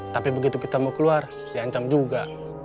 tapi begitu kita mau keluar diancam juga